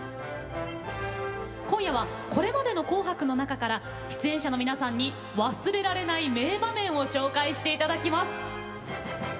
今夜は、これまでの「紅白」の中から出演者の皆さんに忘れられない名場面を紹介していただきます。